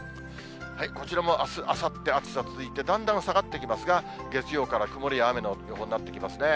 こちらもあす、あさって、暑さ続いて、だんだん下がってきますが、月曜から曇りや雨の予報になってきますね。